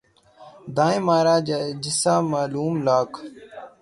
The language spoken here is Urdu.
دائیں مارا جسا معصوم لاگ